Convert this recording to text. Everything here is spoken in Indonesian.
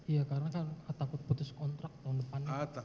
iya karena kan takut putus kontrak tahun depan